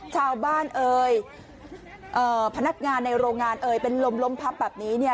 ชาวบ้านเอ่ยพนักงานในโรงงานเอ่ยเป็นลมล้มพับแบบนี้เนี่ย